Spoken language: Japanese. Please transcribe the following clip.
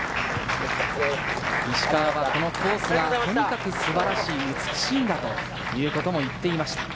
石川はこのコースがとにかく素晴らしい、美しいんだということも言っていました。